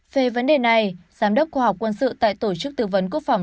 về vấn đề này giám đốc khoa học quân sự tại tổ chức tư vấn quốc phòng